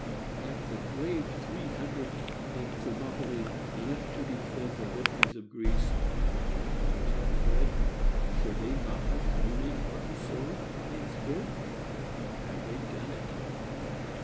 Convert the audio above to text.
Like the brave three hundred in Thermopylæ left to defend the liberties of Greece, when all others had fled, should they not have thrown in heart and soul, body and spirit? Have they done it?